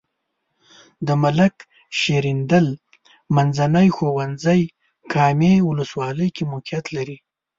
د ملک شیریندل منځنی ښونځی کامې ولسوالۍ کې موقعیت لري.